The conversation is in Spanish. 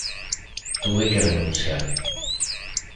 Tuve que renunciar.